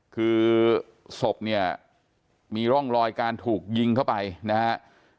คือศพเนี่ยมีร่องรอยการถูกยิงเข้าไปนะฮะ